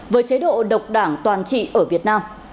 với chế độ độc đảng toàn trị ở việt nam